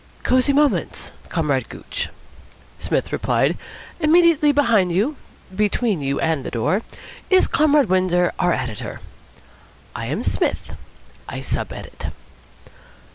"Cosy Moments, Comrade Gooch," Psmith replied. "Immediately behind you, between you and the door, is Comrade Windsor, our editor. I am Psmith. I sub edit."